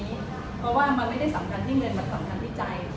เพราะว่ามันไม่ได้สำคัญที่เงินมาสำคัญวิจัย